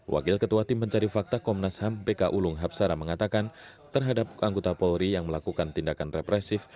wakil ketua tim pencari fakta komnas ham bk ulung hapsara mengatakan terhadap anggota polri yang melakukan tindakan represif